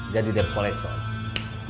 jadi dep kolektor